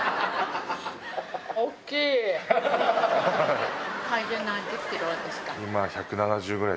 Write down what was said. おっきい。